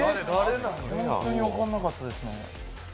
本当に分かんなかったですね。